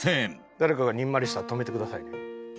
誰かがにんまりしたら止めてくださいね。